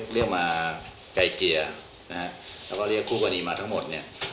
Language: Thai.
เรียกมาไก่เกียร์แล้วก็เรียกคู่พนีมาทั้งหมด